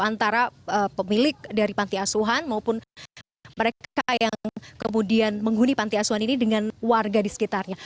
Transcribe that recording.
antara pemilik dari panti asuhan maupun mereka yang kemudian menghuni panti asuhan ini dengan warga di sekitarnya